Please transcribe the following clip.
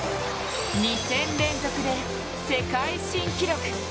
２戦連続で世界新記録。